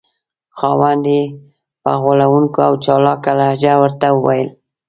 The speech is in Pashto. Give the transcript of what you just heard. خاوند یې په غولونکې او چالاکه لهجه ورته وویل.